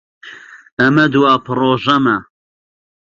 ئەمە دوا پرۆژەمە.